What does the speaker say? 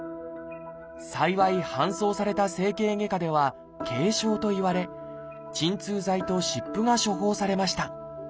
幸い搬送された整形外科では軽傷と言われ鎮痛剤と湿布が処方されました。